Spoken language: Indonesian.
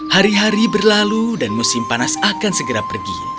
hari hari berlalu dan musim panas akan segera pergi